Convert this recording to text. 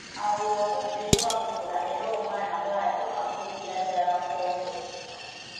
Awo obubbi buba bukula era omwana bwatyo afuukira ddala kkondo.